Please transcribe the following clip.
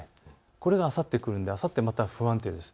これがあさって来るのであさって、また不安定です。